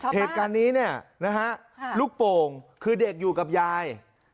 เหตุการณ์นี้เนี่ยนะฮะลูกโป่งคือเด็กอยู่กับยาย